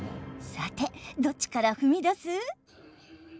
さてどっちから踏み出す？